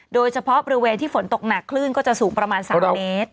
โดยเฉพาะบริเวณที่ฝนตกหนักคลื่นก็จะสูงประมาณ๓เมตร